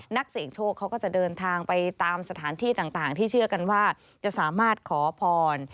นักเสี่ยงโชคเขาก็จะเดินทางไปตามสถานที่ต่างที่เชื่อกันว่าจะสามารถขอพร